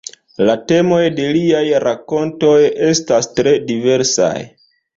La temoj de liaj rakontoj estas tre diversaj.